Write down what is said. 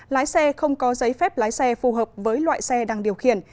lái xe không có giấy phép lái xe phù hợp với loại xe đang điều khiển